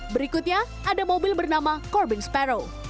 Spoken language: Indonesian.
berikutnya ada mobil bernama corbin sparrow